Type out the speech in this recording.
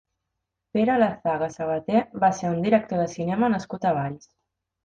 Pere Lazaga Sabater va ser un director de cinema nascut a Valls.